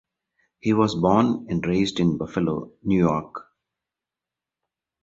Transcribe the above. He was born and raised in Buffalo, New York.